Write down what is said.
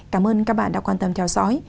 cảm ơn các bạn đã quan tâm theo dõi